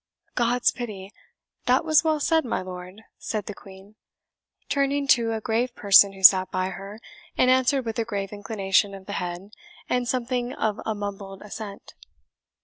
"God's pity! that was well said, my lord," said the Queen, turning to a grave person who sat by her, and answered with a grave inclination of the head, and something of a mumbled assent.